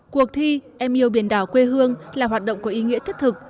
cuộc thi em yêu biển đảo quê hương là hoạt động có ý nghĩa thiết thực